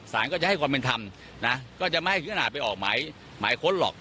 ก็จะให้ความเป็นธรรมนะก็จะไม่ให้ถึงขนาดไปออกหมายค้นหรอก